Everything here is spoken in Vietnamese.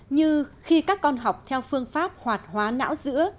như khi các con học theo phương pháp hoạt hóa não giữa